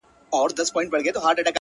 د ديوتاکور ته اپلاتون او سقراط ولېږه-